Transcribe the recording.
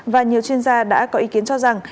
và nhiều chuyên gia đã có ý kiến cho rằng